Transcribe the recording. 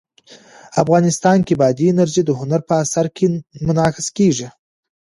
افغانستان کې بادي انرژي د هنر په اثار کې منعکس کېږي.